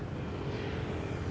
tunggu dulu deh